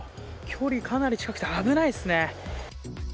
距離、かなり近くて危ないですね。